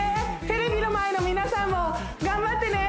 テレビの前の皆さんも頑張ってね